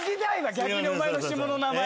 逆にお前のシモの名前。